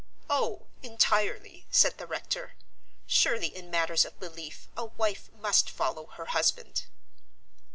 "Oh, entirely," said the rector. "Surely in matters of belief a wife must follow her husband."